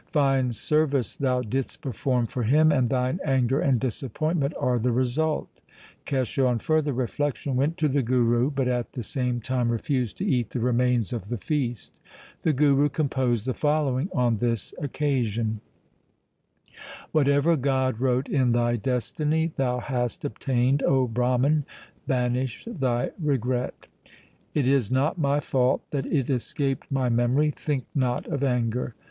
' Fine service thou didst perform for him, and thine anger and disappoint ment are the result !' Kesho on further reflection went to the Guru, but at the same time refused to eat the remains of the feast. The Guru composed the fol lowing on this occasion :— Whatever God wrote in thy destiny thou hast obtained ; O Brahman, banish thy regret : It is not my fault that it escaped my memory ; think not of anger.